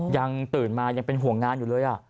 ยังตื่นมายังเป็นห่วงงานอยู่เลย